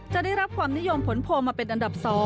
จะได้รับความนิยมผลโพลมาเป็นอันดับ๒